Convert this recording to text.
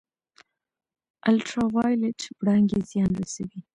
الټرا وایلیټ وړانګې زیان رسوي